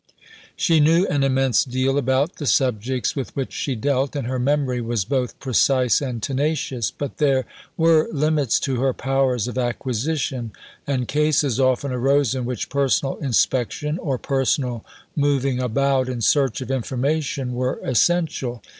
She knew an immense deal about the subjects with which she dealt, and her memory was both precise and tenacious; but there were limits to her powers of acquisition, and cases often arose in which personal inspection or personal moving about in search of information were essential.